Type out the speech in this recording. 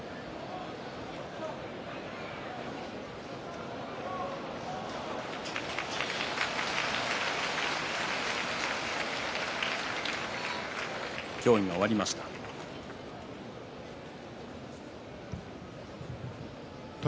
拍手協議が終わりました。